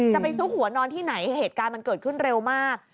จะไปซุกหัวนอนที่ไหนเหตุการณ์มันเกิดขึ้นเร็วมาก